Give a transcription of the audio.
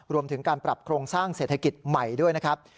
รวมถึงการปรับโครงสร้างเศรษฐกิจใหม่ด้วยนะครับ